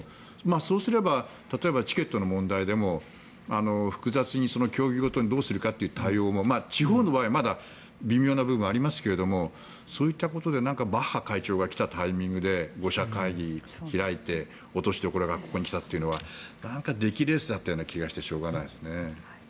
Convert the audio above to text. そうすれば例えばチケットの問題でも複雑に競技ごとにどうするかという対応も地方の場合はまだ微妙な部分はありますがバッハ会長が来た時点で５者会議を開いて落としどころがここに来たというのはなんか出来レースだった気がしてしょうがないですね。